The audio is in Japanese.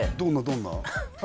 どんな？